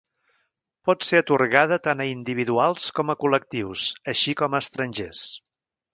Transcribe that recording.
Pot ser atorgada tant a individuals com a col·lectius, així com a estrangers.